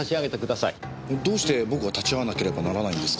どうして僕が立ち会わなければならないんですか？